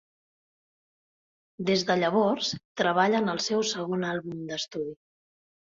Des de llavors, treballa en el seu segon àlbum d'estudi.